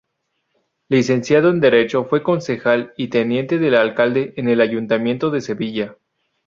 Licenciado en derecho, fue concejal y teniente de alcalde en el Ayuntamiento de Sevilla.